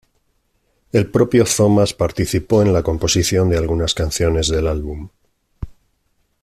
El propio Thomas participó en la composición de algunas canciones del álbum.